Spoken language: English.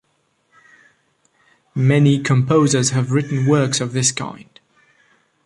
Many composers have written works of this kind.